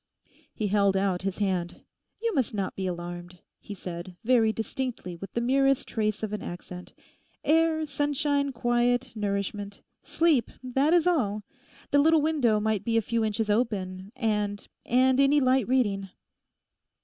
He held out his hand. 'You must not be alarmed,' he said, very distinctly with the merest trace of an accent; 'air, sunshine, quiet, nourishment; sleep—that is all. The little window might be a few inches open, and—and any light reading.